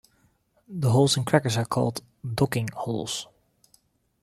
The holes in crackers are called "docking" holes.